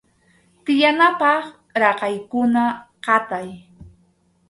Tiyanapaq raqaykuna qatay.